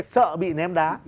sợ bị ném đá